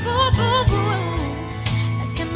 kau lukis sebuah kisah yang nyata